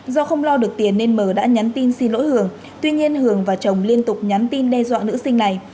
do không lo được tiền nên mờ đã nhắn tin xin lỗi hường tuy nhiên hường và chồng liên tục nhắn tin đe dọa nữ sinh này